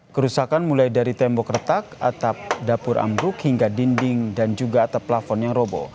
kerusakan mulai dari tembok retak atap dapur ambruk hingga dinding dan juga atap plafon yang robo